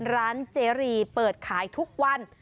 ร้านเจรีเปิดขายทุกวัน